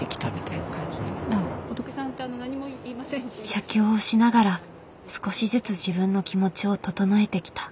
写経をしながら少しずつ自分の気持ちを整えてきた。